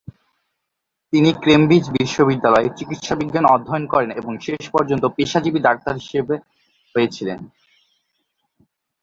তিনি কেমব্রিজ বিশ্ববিদ্যালয়ে চিকিৎসাবিজ্ঞান অধ্যয়ন করেন এবং শেষ পর্যন্ত পেশাজীবী ডাক্তার হয়েছিলেন।